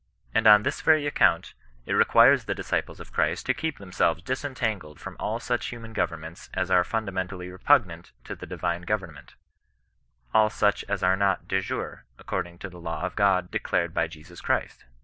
And on this very account it requires the disciples of Christ to keep them selves disentangled from all such human governments as are fundamentally repugnant to the divine govern ment, — all such as are not dejure, according to the law of God declared by Jesus Christ.